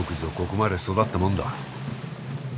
ここまで育ったもんだ。